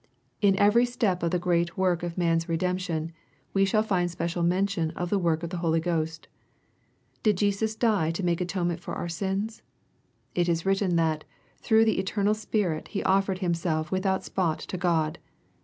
In every step of the great work of man's re demption, we shall find* special mention of the work of the Holy Ghost. Did Jesus die to make atonement for our sins ? It is written that " through the eternal Spirit He offered himself without spot to God."